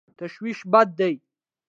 تشویش بد دی.